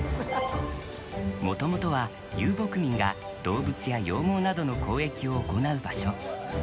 元々は遊牧民が動物や羊毛などの交易を行う場所。